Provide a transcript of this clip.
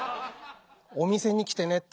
お店に来てねって。